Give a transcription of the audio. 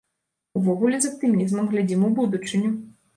Увогуле, з аптымізмам глядзім у будучыню.